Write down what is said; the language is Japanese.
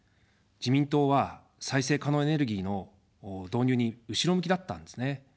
自民党は再生可能エネルギーの導入に後ろ向きだったんですね。